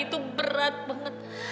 itu berat banget